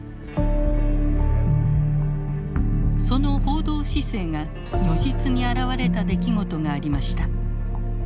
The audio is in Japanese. その報道姿勢が如実に表れた出来事がありました。